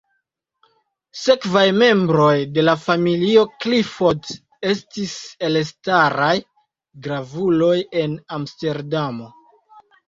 Sekvaj membroj de la familio Clifford estis elstaraj gravuloj en Amsterdamo.